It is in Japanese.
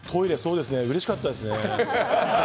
うれしかったですね。